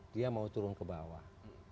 dia mau turun ke bawah